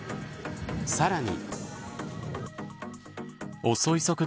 さらに。